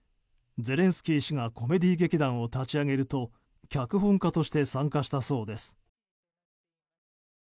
ゼレンスキー氏がコメディー劇団を立ち上げると脚本家として参加したそうです。